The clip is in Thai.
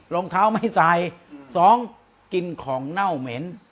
รองเท้าไม่ใส่สองกินของเน่าเหม็น